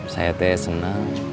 saya teh senang